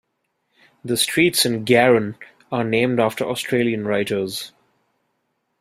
The streets in Garran are named after Australian writers.